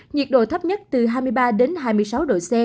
nhiệt độ thấp nhất từ hai mươi ba hai mươi sáu độ